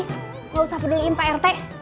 nggak usah peduliin pak rt